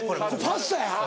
パスタや。